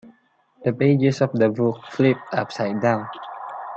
The pages of the book flipped upside down.